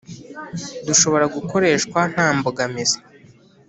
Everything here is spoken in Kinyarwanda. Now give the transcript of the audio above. Dushobora gukoreshwa nta mbogamizi